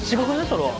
それは！